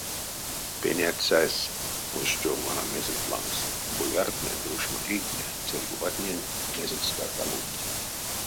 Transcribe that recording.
Пеняцясь оштё вана мезенть лангс: бояртнэ ды ушмодейтне церьковатнень мезекскак а ловить.